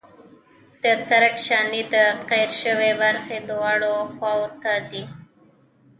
د سرک شانې د قیر شوې برخې دواړو خواو ته دي